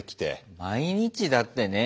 毎日だってねぇ。